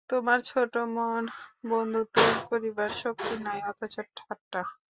তোমার ছোটো মন, বন্ধুত্ব করিবার শক্তি নাই, অথচ ঠাট্টা।